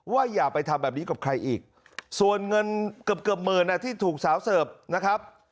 อย่าไปทำแบบนี้กับใครอีกส่วนเงินเกือบเกือบหมื่นที่ถูกสาวเสิร์ฟนะครับ